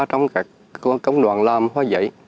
trong các công đoàn làm hoa giấy